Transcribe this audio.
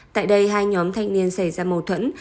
tại đây hai nhóm thanh niên xảy ra mâu thuẫn